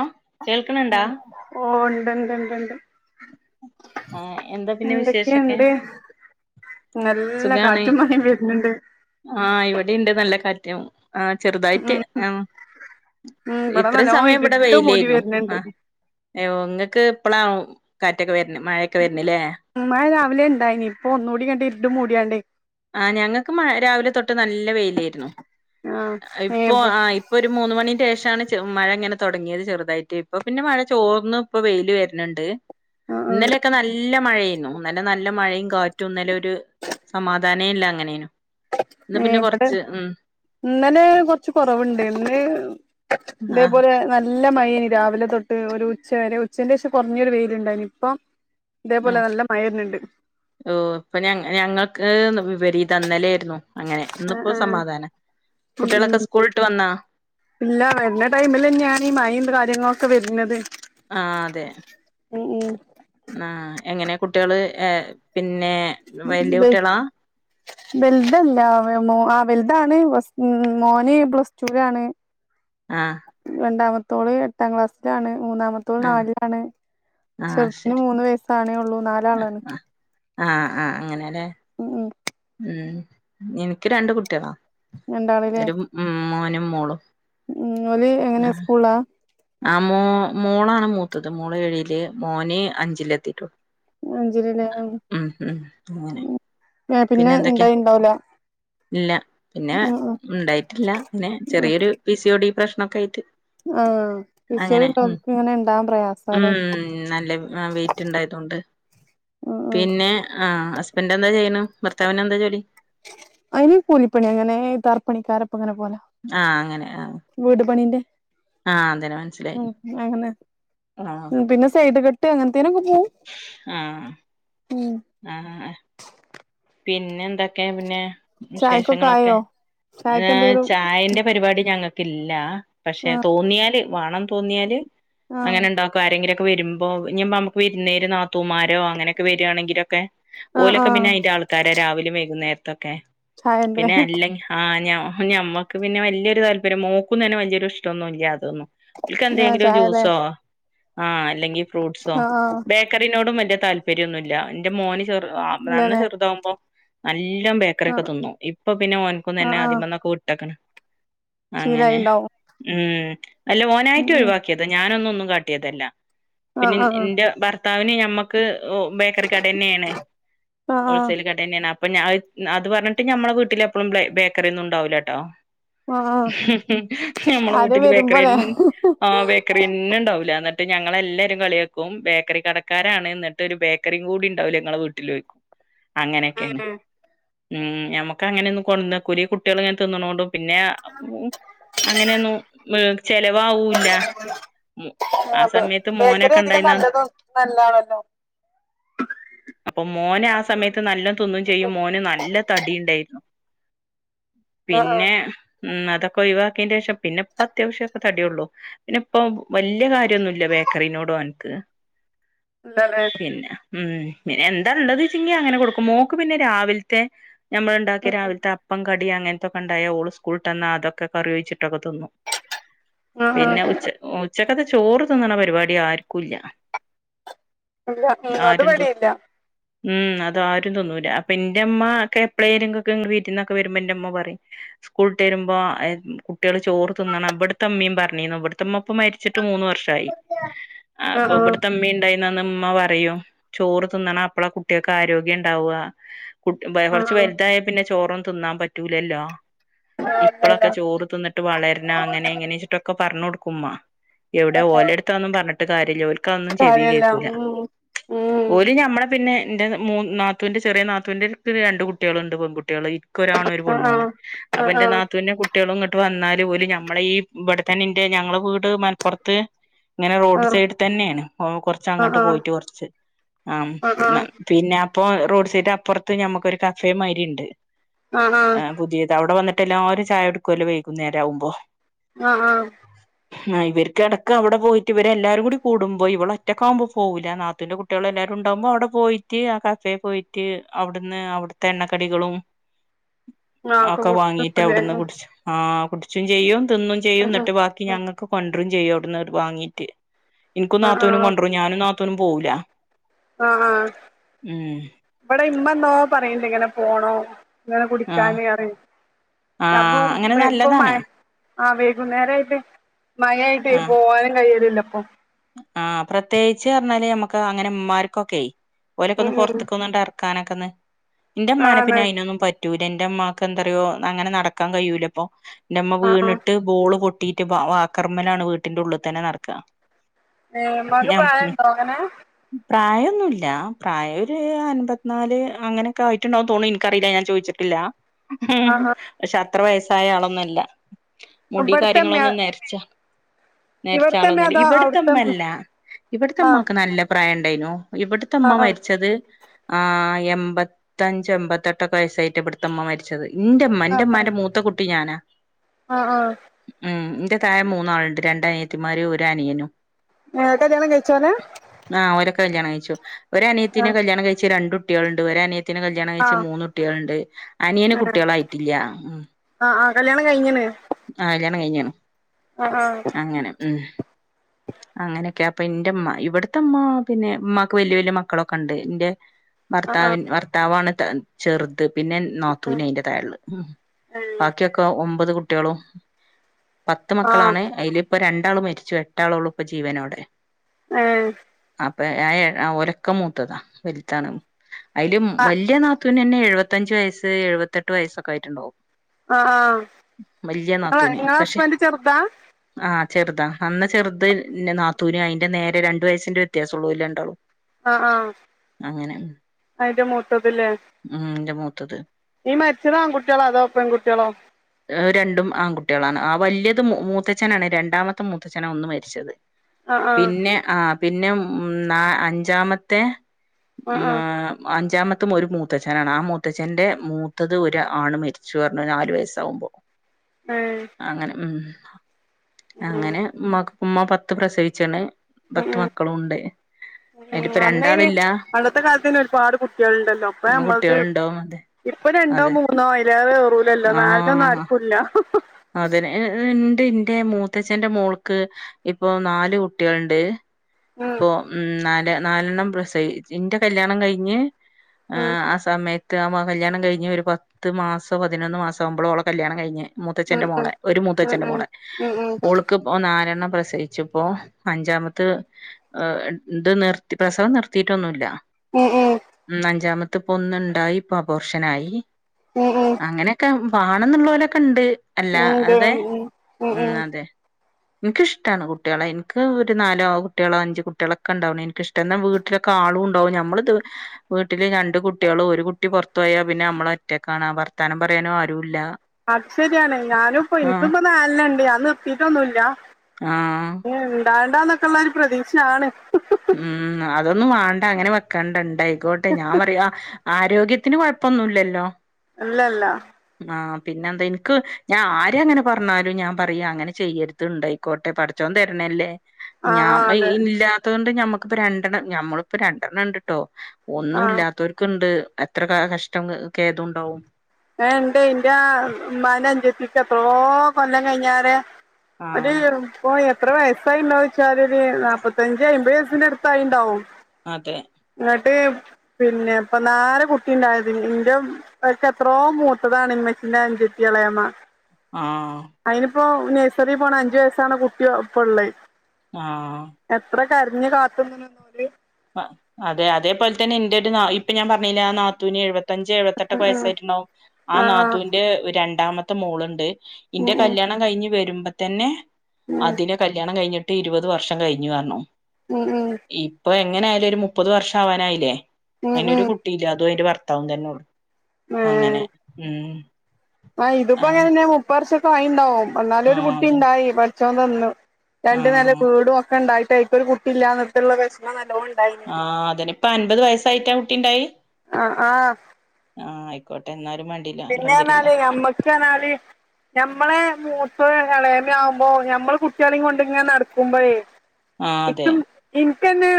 ആ കേൾക്കണണ്ടാ ഓഹ് ഇണ്ട്ണ്ട്ണ്ട്. ആഹ് എന്താ പിന്നെ വിശേഷൊക്കെ? നല്ല കാറ്റും മഴേ വര്ന്ണ്ട് ആഹ് ഇവടീണ്ട് നല്ല കാറ്റ് ആഹ് ചെറ്തായിട്ട് ഉം ആഹ് ഉം ഇവിടെ ഇത്ര നല്ലോ സമയം ഇവിടെ ഇരുണ്ട് മൂടി വെയിലേരുന്നു വരുന്നുണ്ട് ആഹ് യോ ഇങ്ങക്ക് ഇപ്പളാവും കാറ്റൊക്കെ വര്ന് മഴയൊക്കെ വര്ന് ല്ലേ മഴ രാവിലെ ഇണ്ടായിനി. ഇപ്പൊ ഒന്നൂടിങ്ങട്ട് ഇര്ട് മൂടിയാണ്ടേ ആഹ് ഞങ്ങക്ക് മയ രാവിലെ തൊട്ട് നല്ല വെയിലേരുന്നു. ആഹ് ഏഹ് ഇപ്പൊ ഇബ ആഹ് ഇ ഇപ്പൊ ഒരു മൂന്ന് മണിന്റെഷാണ് ചെർ മഴ ഇങ്ങനെ തൊടങ്ങിയത് ചെറുതായിട്ട്. ഇപ്പ പിന്നെ മഴ ചോർന്ന് ഇപ്പൊ വെയിൽ വര്ന്ണ്ട് ആഹ് ആഹ് ഇന്നലൊക്കെ നല്ല മഴയേന്നു. നല്ല നല്ല മഴയും കാറ്റും ഇന്നലെ ഒരു സമാധാ ധനല്ല അങ്ങനേനു ഏഹ് ഇവടെ കൊറച്ച് ഉം ഇന്നലെ കൊറച്ച് കൊറവ്ണ്ടേയ്ന്നു. ഇന്ന് ആ ഇതേപോലെ നല്ല മഴേനി രാവിലെ തൊട്ട് ഒരു ഉച്ച വരെ ഉച്ചന്റെഷം കൊറഞ്ഞൊരു വെയിലുണ്ടായിന് ഇപ്പം ഇതേപോലെ നല്ല മയര്ന്ണ്ട് ഓഹ് ഇപ്പൊ ഞ ഞങ്ങൾക്ക് വിപരിത ഇന്നലേരുന്നു അങ്ങനെ ആഹ് ഇന്ന്പ്പോ ആഹ് സമാധാന ഉം ഉം കുട്ട്യേയേളൊക്കെ സ്കൂൾട്ട് വന്നോ ഇല്ല വര്ന ടൈമിലന്നെയാണീ മയീം കാര്യങ്ങളൊക്കെ വര്നത് ആഹ് അതെ ഉം ഉം ആഹ് എങ്ങനെ കുട്ട്യേയാള് ഏഹ് പിന്നേ [unintelligible] വൽതല്ല മോ ആഹ് വൽതാണ് പ്ലസ് മോന് പ്ലസ് ടൂ ലാണ് ആഹ് രണ്ടാമത്തോള് എട്ടാം ക്ലാസ്സിലാണ് മൂന്നാ മൂന്നാമത്തോള് ആ നാലിലാണ്. ചെർതിന് മൂന്ന് വയസ്സാണേ ഒള്ളൂ നാ ആഹ് ആഹ് ആഹ് ആഹ് അങ്ങനെല്ലേ ഉം ഉം ഉം ഇൻക് രണ്ട് കുട്ട്യാള രണ്ടാളില്ലേ ഒരു ഉം മോനും മോളും ഉം ഓല് എങ്ങനെ സ്കൂളാ ആഹ് മോ മോളാണ് മൂത്തത് മോള് ഏഴില് മോന് അഞ്ചിലെത്തീട്ടൊ അഞ്ചിലല്ലേ ഉം ഉം അങ്ങനെ പിന്നെ ഇണ്ടായി ഇണ്ടാവൂല ഇല്ല പിന്നെ ഇണ്ടായിട്ടില്ല പിന്നെ ഉം ചെറിയൊരു പി സി ഓ ഡി പ്രശ്നൊക്കെയിട്ട് ആഹ് പിസിയോടി അങ്ങനെ ഉം ഉള്ളോർക്ക് ഇങ്ങനെ ഇണ്ടാവാൻ പ്രയാസാല്ലേ ഉമ്മ് നല്ല ആഹ് വെയിറ്റ്ണ്ടായതോണ്ട് ഉം ഉം പിന്നെ ആഹ് ഹസ്ബൻഡ് എന്താ ചെയ്യ്ണു. ഭർത്താവിന് എന്താ ജോലി അയിന് കൂലിപ്പണി അങ്ങനെ തർപ്പണിക്കാരപ്പംങ്ങനെ പോല ആഹ് അങ്ങനെ ആഹ് വീട് പണിന്റെ അതന്നെ മനസ്സിലായി ഉം അങ്ങനെ ആഹ് പിന്നെ സ് സൈഡ് കെട്ട് അങ്ങനത്തീനൊക്കെ പോവും ആഹ് ഉം ആഹ് പിന്നെ എന്താ ക്കെ പിന്നെ ചായക്കൊക്കെ വിശേഷങ്ങളൊക്കെ ആയോ ചായക്ക് എന്തേലും ചായന്റെ പരിപാടി ഞങ്ങ ക്ക് ഇല്ല പക്ഷെ ആഹ് തോന്നിയാല് വാണം തോന്നിയാല് ആഹ് അങ്ങനെ ഉണ്ടാക്ക ആരെങ്കിലും ഒക്കെ വരുമ്പോ ഇഞ്പ്പോ നമുക്ക് വിരുന്നേര് നാത്തൂമാരോ അങ്ങനെയൊക്കെ വരാണെങ്കിലൊക്കെ ആഹ് ഓലൊക്കെ ആഹ് പിന്നെ അയിന്റെ ആൾക്കാരെ രാവിലെ വൈകുന്നേരത്തൊക്കെ ചായന്റെ പിന്നെ അല്ലെ ആഞ ഞമ്മക്ക് പിന്നെ വല്യയൊരു താല്പര്യം മോക്കും തന്നെ വല്യയൊരു ഇഷ്ടന്നും ഇല്ല അതൊന്നും ഇക്ക് ആഹ് എന്തെങ്കിലും ചായല്ലേ ജ്യൂസോ ആഹ് അല്ലെങ്കിൽ ഫ്രൂട്ട്സോ ആഹ് ആഹ് ബേക്കറിനോടും വല്യയ താല്പര്യന്നുല്ല എന്റെ മോന് ചെറു നന്നാ ഇല്ലല്ലേ ചെറുതാവുമ്പോ നല്ല ക്കറി ക്കെ ഒക്കെ ആഹ് തിന്നും ഇപ്പൊ പിന്നെ ഓന്ക്കും തന്നെ ആഹ് ആഹ് ആദീമന്നൊക്കെ വിട്ടക്കണ് അങ്ങനെ ശീലായിണ്ടാവും ഉം അല്ല ഉം ഓനായിട്ട് ഉം ഒഴിവാക്കിയത ഞാനൊന്നൊന്നും കാട്ടിയതല്ല ആഹ് പിന്നെ ആഹ് എന്റെ ഭർത്താവിന് ഞമ്മക്ക് ബേക്കറി കടന്നെയാണ്. ആഹ് ആഹ് കടേന്നെയാണ് അപ്പൊ അത് പറഞ്ഞിട്ട് മ്മളെ വീട്ടിലെപ്പഴും ബ്ലേ ബേക്കറി ഒന്നും ഉണ്ടാവൂല ട്ടോ ആഹ് ആഹ് നമ്മളെ ആരോ വീട്ട്ക്ക് ബേക്കറി വരുമ്പോലേ ൻ ആഹ് ബേക് ക്കറിയന്നെ ഇണ്ടാവൂല്ല എന്നിട്ട് ഞങ്ങളെല്ലരും കളിയാക്കും ബേക്കറി കടക്കാരാണ് എന്നിട്ട് ഒരു ബേ ക്കറി കൂടി ഉണ്ടാവൂലെ ഇങ്ങളെ വീട്ടില് ചോയിക്കും അങ്ങനെയൊക്കെയാണ് ആഹ് ഉം ഞമുക്ക് അങ്ങനൊന്നും കൊട്ന്നാഒക്കൂല ഈ കുട്ടികള് ഇങ്ങനെ തിന്നണോണ്ടും പിന്നെ അങ്ങനെയൊന്നും മ് ചെലവാവൂല്ല ഉം ആ ആഹ് ബേ സമയത്ത് ബേക്കറി മോനൊക്കെ അധികം ഉണ്ടായിന്ന നല്ലതൊ നല്ലാവോലൊ അപ്പം മോനാസമയത് ത്ത് നല്ല തിന്നും ചെയ്യും മോന് നല്ല തടി ഇ ണ്ടായിരുന്നു ആഹ് ആഹ് പിന്നെ ഉം അതൊക്കെ ഒഴിവാക്കിയന്റ ശേഷം പിന്നെപ്പത്യാവശ്യക്കെ തടിയുള്ളു പിന്നെപ്പോ വല്ല്യ കാര്യമൊന്നുല്ല ബേക്കറിനോട് ഓന്ക്ക് [unintelligible] ഉം പിന്നെ എന്താള്ളത് ചിങ്ങി അങ്ങനെ കൊടുക്കും മോക്ക് പിന്നെ രാവിൽത്തെ ഞമ്മൾ ഉണ്ടാക്കി ഉം രാവിലത്തെ അപ്പം കടി അങ്ങനത്തൊക്കെ ഉണ്ടായ ഓൾ സ്കൂൾട്ടന്നാ അതൊക്കെ കറിഒഴിച്ചിട്ടൊക്കെ തിന്നു ആഹ് പിന്നെ ആഹ് ഉച്ച ഉച്ചക്കത്തെ ചോറ് തിന്നണ പരിപാടി ആർക്കൂല്ല ഇല്ല ഉം അത് ആരും തു ഇവടിം ഇല്ല ഉം അ ആരും തിന്നൂല അപ്പ എന്റെ മ്മക്കെ എപ്പളേലുംങ്കൊക്കെ വിരുന്നൊക്കെ വരുമ്പോ എന്റെമ്മ പറയും സ്കൂളിട്ട് വരുമ്പോ കുട്ടികള് ചോറ് തിന്നണം ഇവിടുത്തെ ഇമ്മയും പറഞ്ഞീന്നു ഇവിടത്തെമ്മപ്പ മരിച്ചിട്ട് മൂന്ന് വർഷം ആയി ആഹ് അപ്പൊ ഇബ്ട്ത്തമ്മേ ഇണ്ടാ ന്നന്ന് ഉമ്മ പറയും ചോറ് തിന്നണം. അപ്പളാ കുട്ടികൾക്ക് ആരോഗ്യം ഉണ്ടാവുക. കുട് വെ കുറച്ച് ആഹ് വലുതായ പിന്നെ ചോറും തിന്നാൻ പറ്റൂലല്ലോ ആഹ് ഇപ്പളൊക്കെ ഇല്ലല്ല ചോറ് തിന്നി ട്ട് വളർണം അങ്ങനെ എങ്ങനെയെച്ചിട്ടൊക്കെ പറഞ്ഞൊടുക്കും ഉമ്മ എവിടെ ആഹ് ആഹ് ഓലെടുത്തൊന്നും പറഞ്ഞിട്ട് കാര്യല്ല ഓൽ ക്കാന്നും ചെവി കാര്യല്ല കേൾക്കൂല ഉം ഉം ഓല് ഞമ്മള പിന്നെ എന്റെ മൂ നാത്തൂന്റെ ചെറിയ നാത്തുന്റെ രണ്ട് കുട്ടികളുണ്ട് പെൺകുട്ടികള് ഇക്ക് ഒരാണ് ഒരു പൊണ്ണാണ് ആഹ് അപ്പൊ ആഹ് എന്റെ നാത്തൂന്റെ കുട് കുട്ടികളും ഇങ്ങോട്ട് വന്നാൽ ഓൽ ഞമ്മളെ ഈ ഇവിടെത്തന്നെന്റെ ഞങ്ങള വീട് മലപ്പുറത്ത് ഇങ്ങനെ ആഹ് റോഡ് സൈഡ് ആഹ് തന്നെയാണ് കുറച്ച് ആഹ് അങ്ങോട്ട് പോയിട്ട് കുറച്ച് ആം ആഹ് ആഹ് ന്നാ ആഹ് പിന്ന അപ്പോ റോഡ് സൈഡ് അപ്പുറത്ത് നമക്കൊരു കഫേ മാരി ഇണ്ട് ആഹ് പുതിയത്. അവിടെ വന്ന് ട്ടെല്ലാരും ചായടുക്കുവല്ലോ വൈകുന്നേര ആവുമ്പോ ആഹ് ആഹ് ആഹ് ഇവര്ക്ക് എടക്ക് അവിടെ പോയിറ്റ് ഇവരെല്ലാരും കൂടി കൂടുമ്പോ ഇവളൊറ്റക്ക് ആകുമ്പോ പോവൂല. നാത്തൂന്റെ കു ട്ട്യാളും എല്ലാരും ഉണ്ടാവുമ്പോ അവിടെ പോയിറ്റ് ആ കഫേ പോയിട്ട് അവിടുന്ന് അവിടുത്തെ എണ്ണക്കടികളും നാക്ക് ഒക്കെ വാങ്ങീട്ട് പുട്ത്തല്ലേ അവിടുന്ന് ഉം കുടിച്ചു ആഹ് കുടിച്ചും ചെയ്യും തിന്നും ചെയ്യും ഉം എന്നിട്ട് ബാക് ഉം ഞങ്ങൾക്ക് കൊണ്ട്രരും ചെയ്യും അവിടന്ന് വാങ്ങീറ്റ്. എനിക്കും ആഹ് നാത്തൂനും ആഹ് കൊണ്ട്രരും ഞാനും നാത്തൂനും പോവൂല. ആഹ് ആഹ് ഉം ഇവിടെ ഇമ്മെന്നോ പറയിണ്ട് ഇങ്ങനെ പോണോ ഇങ്ങനെ ആ കുടിക്കാന് അറിയും. ആ അപ്പൊ അങ്ങനെ ഇപ്പൊ നല്ലതാണ് മഴ ആഹ് വൈകുന്നേരായിട്ട് മഴയായിട്ട് പോവാനും കഴിയിണില്ലപ്പൊ ആഹ്, പ്രത്യേകിച്ച് പറഞ്ഞാല് ഞമ്മക്ക് അങ്ങനെ ഇമ്മമാർക്കൊക്കെ ഓലൊക്കെ ഒന്ന് ഉം ഉം പുർത്തക്കൊന്നർ ക്കാനകന്ന് ഇന്റെ മ്മാനെ ആണ് പിന്നെ അയിനൊന്നും പറ്റ് റ്റൂല ഇന്റെ ഇമ്മാക്കന്താറിയോ അങ്ങനെ നടക്കാൻ കഴിയൂലപ്പൊ ഇന്റെമ്മ ആഹ് ആഹ് വീണിട്ട് ബോള് പൊ ട്ടീറ്റ് വാക്കർമലാണ് വീട്ടിന്റെ ഉള്ളിൽ തന്നെ നടക്ക അയേ, ഉമ്മാക്ക് പ്രായണ്ടോ അങ്ങനെ പ്രായൊന്നൂല്ല പ്രായം ഒരു അൻമ്പത്നാല് അങ്ങനൊക്കെ ആയിട്ടുണ്ടാവൂന്ന് തോൺന്ന് ഇൻക്കറില്ല ഞാൻ ചോദിച്ച ട്ടില്ല. പക്ഷെ അത്ര വയസായ ആളൊന്നല്ല മുടി ഇബട്ത്തെ ഇമ്മേ കാര്യങ്ങളൊന്നും നര്ച്ച. നര്ച്ച ഇവട്ത്തെ ഇമ്മേ ആളൊന്നൊല്ല അതോ ഇബടത് അവ്ട്ത്തെ മ്മല്ല ഇബടത്തെ ആഹ് ഉമ്മാക്ക് നല്ല പ്രായം ഇണ്ടായിനു. ഇവിടത്തുമ്മ ആഹ് ആഹ് മരിച്ചത്, ആ എമ്പത്തഞ്ച എമ്പത്തെട്ടൊക്കെ വയസ്സായിട്ട് ഇവട് ത്തുമ്മ മരിച്ചത്. ഇന്റെമ്മ ആഹ് ഇന്റെമ്മാന്റെ മൂത്ത കുട്ടി ഞാനാ. ആഹ് ആ. മഉം എന്റെ തായെ മൂന്നാളുണ്ട് രണ്ടനിയത്തിമാര് ഒരു അനിയനും. ഏഹ് കല്യാണം കഴിച്ചോല്? ആ അവരൊക്കെ കല്യാണം കഴിച്ചു. ഒരനിയത്തിനെ കല്യാണം കഴിച്ച് രണ്ടുട്ടിയാള്ണ്ട്, ഒരനിയത്തിനെ കല് ല്യാണം കഴിച്ച് ആഹ് മൂന്ന് കുട്ടികള്ണ്ട്. അനിയന് ഏഹ് കുട്ടിയാളായിട്ടില്ല ഉം. ആഹ് ആഹ് കല്യാണം കഴിഞ്ഞ്ണ് ആ കല്യാണം കഴിഞണ്. ആഹ് ആ. അങ്ങനെ ഉം. അങ്ങനെക്കെ അപ്പൊ ഇന്റെമ്മ. ഇവിടത്തെമ്മ പിന്നെ മ്മാക്ക് വല്യ വല്യ മക്കളൊക്കള്ണ്ട്. ഇന്റെ ആഹ് ഭർത്താവിൻ ഭർത്താവാണ് [unintelligible] ചെറുത്. പിന്നെ നാത്തൂന് അയിന്റെ തായളള്. ബാക്കിയൊക്കെ ഒമ്പത് കു ട്ടികളും, പത്ത് ആഹ് ഏഹ് ആഹ് മക്കളാണ് അയിലിപ്പ രണ്ടാള് മരിച്ചു. എട്ടാളോള്ളു ഇപ്പൊ ജീവനോടെ. ഏഹ്. അപ്പൊ ഏ ഒലക്ക മൂത്തതാ വലുതാണ്. അയിലു ആഹ് വല്യ നാതു നന്നെ എഴുപത്തഞ്ച് വയസ് എഴുപത്തെട്ട് വയസ്സൊക്ക ആയിട്ടുണ്ടാവും. ആ വല്യ ആ നാത്തൂന് ഇങ്ങള പക്ഷെ ഹസ്ബൻന്റ് ചെറുതാ. ആ ചെറുതാ. അന്നാ ചെറുത് ന്റെ നാത്തൂന്, അയിന്റെ നേരെ രണ്ട് വയസ്സിന്റെ വ്യത്യാസം ഉള്ളൂ ഓല് രണ്ടാളും. ആഹ് ആ അങ്ങനെ അയിന്റെ മൂത്തത് ല്ലേ? ഉം അയിന്റെ മൂത്തത്. ഈ മരിച്ചത് ആൺ കുട്ടികളോ അതോ പെങ്കുട്ടികളോ? രണ്ടും ആൺകുട്ടികളാണ്. ആ വല്യത് മൂത്തച്ഛനാണ് രണ്ടാമത്തെ മൂത്തച് ച്ഛന ഒന്ന് മരിച്ചത്. ആഹ് ആഹ് പിന്നെ ആ പിന്നെ മ് നാ അഞ്ചാമത്തെ ആഹ് മാ ആഹ് അഞ്ചാമത്തും ഒരു മൂത്തച്ഛനാണ്. ആ മൂത്തച്ഛന്റെ മൂത്തത് ഒരു ആണ് മരിച്ചു പറഞ്ഞു നാലു വയസ്സ ആവുമ്പോ. ഏഹ് അങ്ങനെ മ് അങ്ങനെ. ഉമ്മാക്ക് പ ഉമ്മ പത്ത് പ്രസവിച്ച്ണ്. ഉം പത്ത് മക്കളൂണ്ട്. ഉം അന്നയ്ന് പണ്ടത്തെ കാലത്ത്ന്നെ ഒരുപാട് കുട്ടികളുണ്ടല്ലോ. അപ്പ നമ്മള കുട്ടികളുണ്ടോ അതെ ഇപ്പൊ രണ്ടോ അതെ മൂന്നോ [unintelligible] വേറൂലല്ലോ. നാലൊന്നും ആര്ക്കുല്ല. അതിന ഏ ഏഹ് ഇണ്ട് ഇന്റെ മൂത്തച്ഛന്റെ മോൾക്ക് ഇപ്പൊ നാല് കുട്ടിയള്ണ്ട്. ഇപ്പൊ ഉം നാല് നാലെണ്ണം പ്രസയ്ച്ച്, ഇന്റെ കല്യാണം കഴിഞ്ഞ് ആ അ സമയത്ത് ആ കല്യാണം കഴിഞ്ഞ ഒരു പത്ത് മാസം പതിനൊന്ന് മാസം ആകുമ്പോളോള കല്യാണം കഴിഞ്ഞെ. മൊ ഉം ത്തച്ഛന്റെ മോളെ, ഒരു മൂത്തച്ഛന്റെ മോളെ ഉം ഉം ഉം ഓള് ക്ക്‌പ നാലെണ്ണം പ്രസയിച്ചുപ്പോ അഞ്ചാമത്ത് ഏഹ് ഇണ്ട് നിർതി പ്രസവം നിർത്തിട്ടൊന്നില്ല. മ് ഉം. ഉം ന്ന് അഞ്ചാമത്ത പ്പൊന്നു ണ്ടായി പ്പ അപോർഷനായി. ഉം അങ്ങനെക്കെ ഉം വാണന്നൊളോരൊക്കെ ഉണ്ട്. ഉം ഉം ഉം തെ അല്ലാതെ ഉം ഉം ഉം അതെ. ഇൻക്കിഷ്ടാണ് കുട്ടികളെ. എനിക്ക് ഒരു നാലോ കുട്ടികളോ അഞ്ചു കുട്ടികളോ ഒക്കെ ഉണ്ടാവണ എനിക്കിഷ്ട ട്ടന്ന വീട്ടിലൊക്കെ ആളും ഉണ്ടാവും ഞമ്മള്ത് വീട്ടില് രണ്ട് കുട്ടികളു ഒരു കുട്ടി പുറത്തു പോയാൽ പിന്നെ നമ്മളെ ഒറ്റക്കാണ്. വർത്താനം പറയാനും ആരുല്ല. അത് ശരിയാണ്. ഞാനും ഇപ്പ ആഹ് എനിക്കിപ്പ നാലണണ്ട്‌. ഞാന് നിർത്തിട്ടൊന്നുല്ല. ആഹ്. ഇണ്ടാണ്ടന്നൊക്കെയുള്ള ഒരു പ്രതീക്ഷ ആണ്. ഉം അതൊന്നും വാണ്ട. അങ്ങനെ വെക്കണ്ട. ഇണ്ടായിക്കോട്ടെ ഞാൻ പറയാ, ആരോഗ്യത്തിന് കൊഴപ്പോന്നുല്ലല്ലോ? അല്ലല്ല ആഹ് പിന്നെ എന്ത ഇന്ക്ക് ഞാൻ ആരങ്ങനെ പർഞ്ഞാലും ഞാൻപറയാ അങ്ങനെ ചെയ്യര്. ത് ണ്ടയ്ക്കോട്ടെ പട്ച്ചോൻ തര്നല്ലേ? ഞാ ആഹ് ആഹ് അതെ ഇല്ലാത്തൊണ്ട് ഞമ്മക്കിപ്പോ രണ്ടെണ്ണം ഞമ്മളിപ്പോ രണ്ടെണ്ണംണ്ട്ട്ടോ. ആഹ് ഒന്നുല്ലാത്തോര്ക്ക്‌ണ്ട്. എത്ര ക കഷ്ടം ഖേദുംണ്ടാവും. ഏണ്ട് ഇന്റെ ഇമ്മാന്റൻജത്തിക്കെത്രോ കൊല്ലം കയ്ഞ്ഞാരെ ആഹ് ഒരു പ്പോ എത്ര വയസ്സായിണ്ടാവെച്ചാലൊരു നാപ്പത്തഞ്ച് അമ്പത് വയസിന്റെ അട്ത്തായിണ്ടാവും. അതെ ന്നട്ട് പിന്നെ പ്പന്നാരെ കുട്ടിണ്ടായത്. ഇന്റും ഒച്ചെ ത്രോ മൂത്തതാണ് ഇമ്മച്ചിന്റെ അഞ്ചെത്തി എളേമ. ആഹ് അയിനിപ്പോ നഴ്സറി പോണ അഞ്ചു വയസ്സാണ് കുട്ടിയ പ്പള്ളത്. ആഹ് എത്ര കരഞ്ഞ് കാത്ത്ന്ന്ണ് അതെ അതേപോൽതന്നെ ഇന്റൊരു നാ ഇപ്പഞാൻ പർഞ്ഞീലെ ആ നാത്തൂന് എഴുവത് ത്തഞ്ച് എഴുപത്തെട്ടൊക്കെ ഉം വയസ്സായിട്ടുണ്ടാവും. ആ ആഹ് നാത്തൂന്റെ രണ്ടാമത്തെ മോള്ണ്ട്. ഉം ഇന്റെ ഉം കല്യാണം കഴിഞ്ഞു വരുമ്പ തന്നെ ഉം അതിനെ കല്യാണം കഴിഞ്ഞിട്ട് ഇരുപത് വർഷം കഴിഞ്ഞു പറഞ്ഞു ഉം ഉം ഇപ്പൊ എങ്ങനായാലും ഒരു മുപ്പത് വർഷാവാനായിലേ? ഉം അയ്നൊരു ഉം കുട്ടില്ല. അതും അയ്ന്റെ ഭർത്താവും തന്നെ ഉള്ളു. അങ്ങനെ ഉം ആഹ്‌ ഇതുപ്പോ അങ്ങ അങ്ങനെന്നെ മുപ്പർഷൊക്കെ ആയിണ്ടാവും. എന്നാലു ഒരു ആഹ് അതന്നെ കുട്ടിണ്ടായി. പട്ച്ചോൻ തന്ന്. രണ്ട് നെല ആഹ് ബീടും ഒക്കെണ്ടായിട്ട് അയ്ക്കൊരു കുട്ടി ഇല്ലാന്നത്തുള്ള വെഷമം നല്ലോംണ്ടായി. ആഹ് അതെന്നെ, പ്പ അൻപത് വയസായിട്ടാ കുട്ടിണ്ടായി? അഹ് ആഹ് ആഹ് ഐക്കോട്ടെ ന്നാലും മ പിന്നെർഞാല് ഞമ്മക്ക്‌ർഞാല്. ഞമ്മളെ മൂത്ത്എളേമ്യാവുമ്പോ ഞമ്മള് കുട്ട്യള്യും കൊണ്ടിങ്ങനെ നട്ക്കുമ്പഴേ. ആഹ് അതെ ച്ചും ഇനിക്കന്നെ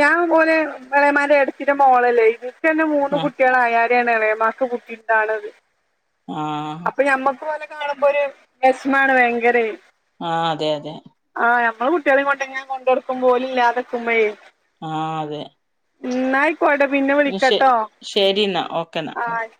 ഞൻ പോലെ ഇളമാരെ എടിതിട്ട മോളല്ലേ ഇത് ക്കന്നെ മൂന്ന് ആഹ് കുട്ട്യാളായാരേണ് എളേമാക്ക് കുട്ടിണ്ടാവ്‌ണത്. ആഹ് അപ്പൊ ഞമ്മക്ക് ഓലെ കാണുമ്പോ ഒരു വിശമാണ് ഭയങ്കര ആഹ്‌ അതെ അതെ. ആ നമ്മള് കുട്ടികളെ ഇങ്ങോട്ടെങ്ങനെ കൊണ്ട കൊടുക്കും പോ ഓല് ഇല്ലാതെക്കുമ്പേയ് ആഹ്‌ അതെ ഇന്നാഐക്കോട്ടെ പിന്നെ ശെ വിളിക്കട്ടോ ശരി എന്നാ ഓക്കെന്നാ ആഹ്‌